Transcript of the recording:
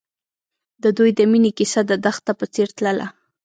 د دوی د مینې کیسه د دښته په څېر تلله.